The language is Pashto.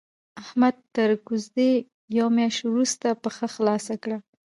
احمد تر کوزدې يوه مياشت روسته پښه خلاصه کړه.